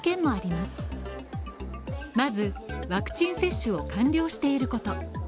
まず、ワクチン接種を完了していること